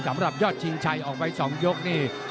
สำหรับยอดชิงชัยออกไป๒ยกนี่